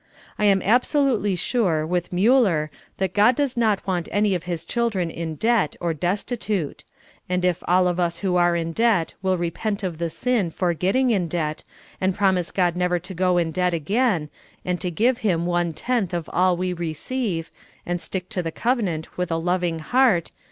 I am absolutely sure, with "^40994 lOO SOUL FOOD. Muller, that God does not want any of His children in debt, or destitute ; and if all of us who are in debt will repent of the sin for getting in debt, and promise God never to go in debt again, and to give Him one tenth of all we receive, and stick to the convenant with a loving heart.